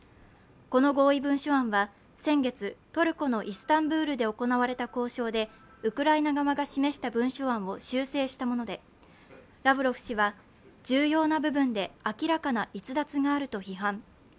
この合意文書案は先月、トルコのイスタンブールで行われた交渉でウクライナ側が示した文書案を修正したものでラブロフ氏は重要な部分で明らかな逸脱があると批判。